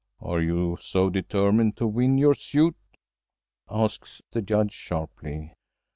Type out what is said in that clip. "Are you so determined to win your suit?" asks the Judge sharply.